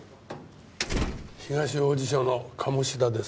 東王子署の鴨志田です。